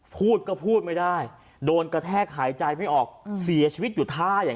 พูดก็พูดไม่ได้โดนกระแทกหายใจไม่ออกเสียชีวิตอยู่ท่าอย่าง